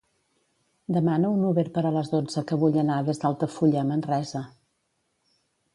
Demana un Uber per a les dotze que vull anar des d'Altafulla a Manresa.